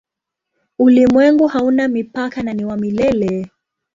Ulimwengu hauna mipaka na ni wa milele.